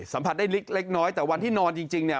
สัมผัชได้เล็กเล็กน้อยแต่วันนที่นอนจริงจริงนี้